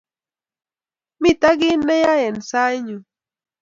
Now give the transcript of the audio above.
Mito kiy ne yae eng sainyu